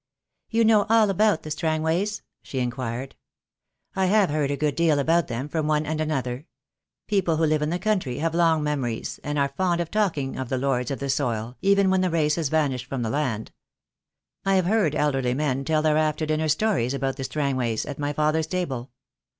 "You know all about the Strangways?" she inquired. "I have heard a good deal about them from one and another. People who live in the country have long me mories, and are fond of talking of the lords of the soil, even when the race has vanished from the land. I have heard elderly men tell their after dinner stories about the Strangways at my father's table."